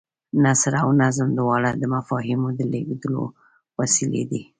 نثر او نظم دواړه د مفاهیمو د لېږدولو وسیلې دي.